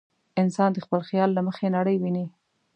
انسان د خپل خیال له مخې نړۍ ویني.